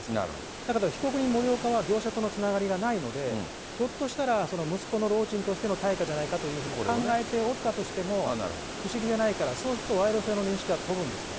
だけど被告人、森岡は業者とのつながりがないので、ひょっとしたら、息子の労賃としての対価じゃないかというふうに考えておったとしても不思議じゃないから、そうすると賄賂性の認識は飛ぶんですね。